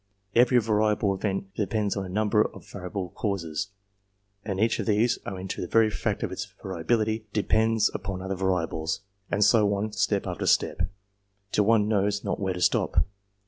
Every variable event depends on a number of variable causes, and each of these, owing to the very fact of its variability, depends upon other vari ables, and so on step after step, till one knows not where to stop.